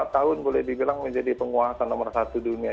empat tahun boleh dibilang menjadi penguasa nomor satu dunia